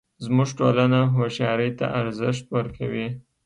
زموږ ټولنه هوښیارۍ ته ارزښت ورکوي